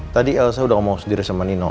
tadi elsa sudah ngomong sendiri sama nino